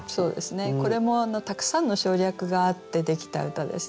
これもたくさんの省略があってできた歌ですね。